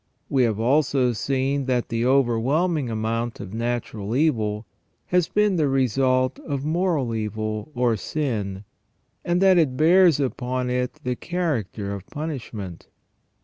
We have also seen that the overwhelming amount of natural evil has been the result of moral evil, or sin, and that it bears upon it the character of punishment.